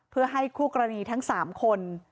เพื่อให้คู่กรณีทั้ง๓คน